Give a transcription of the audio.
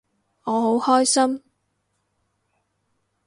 我好開心